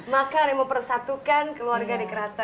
makan mau persatukan keluarga di kraton